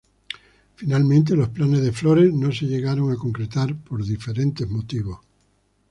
Finalmente los planes de Flores no se llegaron a concretar por diferentes motivos.